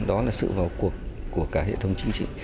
đó là sự vào cuộc của cả hệ thống chính trị